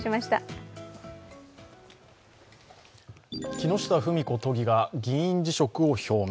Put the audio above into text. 木下富美子都議が議員辞職を表明。